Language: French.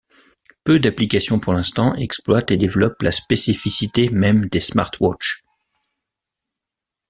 Peu d'applications pour l'instant exploitent et développent la spécificité même des smartwatches.